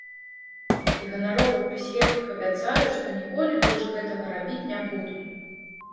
І ганарова пры сведках абяцаю, што ніколі больш гэтага рабіць не буду.